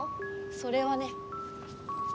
それはね